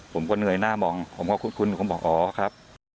ผมก็เหนื่อยหน้ามองผมก็คุ้นผมบอกอ๋อครับ